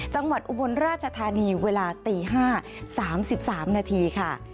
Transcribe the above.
จังหวัดอุบลราชธานีเวลาตี๕๓๓นาทีค่ะ